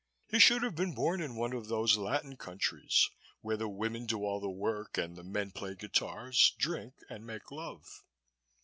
He should have been born in one of those Latin countries where the women do all the work and the men play guitars, drink and make love."